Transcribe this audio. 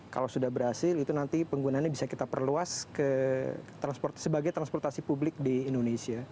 kalau sudah berhasil itu nanti penggunaannya bisa kita perluas sebagai transportasi publik di indonesia